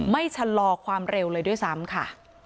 ชะลอความเร็วเลยด้วยซ้ำค่ะ